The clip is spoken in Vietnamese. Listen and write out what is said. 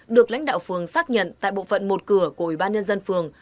được lãnh đạo phường xác nhận tại bộ phận một cửa của ủy ban nhân dân phường